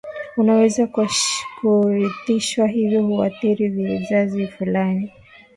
Unaweza kurithishwa hivyo huathiri vizazi fulani